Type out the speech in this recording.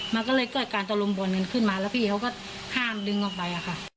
มันก็เลยเกิดการตะลุมบอลกันขึ้นมาแล้วพี่เขาก็ห้ามดึงออกไปค่ะ